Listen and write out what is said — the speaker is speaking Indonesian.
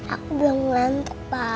aku belum ngantuk pak